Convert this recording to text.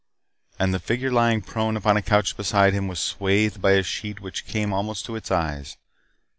And the figure lying prone upon a couch beside him was swathed by a sheet which came almost to its eyes.